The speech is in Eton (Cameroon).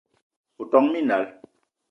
O ton minal